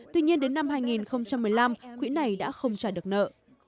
tuy nhiên đến năm hai nghìn một mươi năm quỹ này đã không trả được nợ